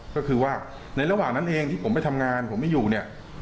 ก็คือว่าในระหว่างนั้นเองที่ผมไปทำงานผมไม่อยู่เนี่ย